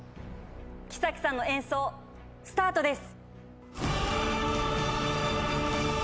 綺咲さんの演奏スタートです。